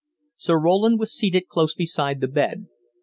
Sir Roland was seated close beside the bed.